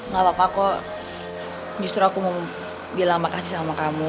gak apa apa kok justru aku mau bilang makasih sama kamu